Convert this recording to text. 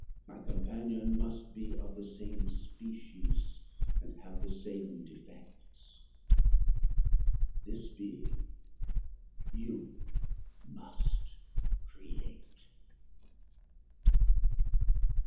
My companion must be of the same species, and have the same defects. This being you must create."